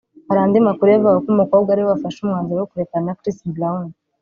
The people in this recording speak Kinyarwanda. Hari andi makuru yavugaga ko umukobwa ari we wafashe umwanzuro wo kurekana na Chris Brown